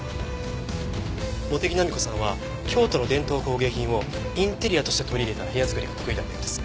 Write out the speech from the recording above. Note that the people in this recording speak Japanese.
茂手木浪子さんは京都の伝統工芸品をインテリアとして取り入れた部屋作りが得意だったようです。